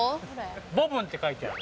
ボブンって書いてある。